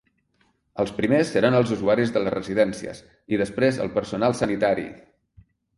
Els primers seran els usuaris de les residències i després el personal sanitari.